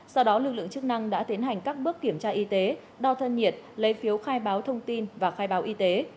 sau đó lực lượng chức năng đã tiến hành các bước kiểm tra y tế đo thân nhiệt lấy phiếu khai báo thông tin và khai báo y tế